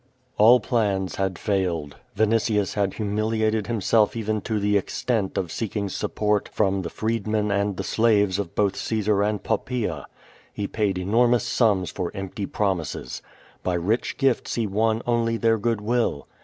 All plans had failed. Vinitius had humiliated himself even to the extent of seeking support from the freedmen and the slaves of both Caesar and Poppaea. He paid enormous sums for empty promises. By rich gifts he won only their good will.